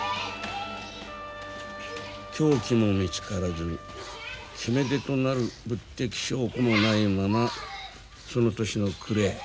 凶器も見つからず決め手となる物的証拠もないままその年の暮れ